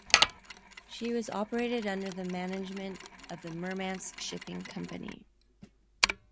She was operated under the management of the Murmansk Shipping Company.